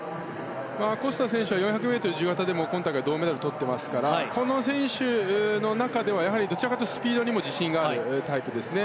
コスタ選手は４００ｍ自由形でも今大会、銅メダルをとってますからこの選手の中ではどちらかというとスピードにも自信のあるタイプです。